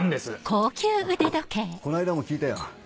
あこの間も聞いたよ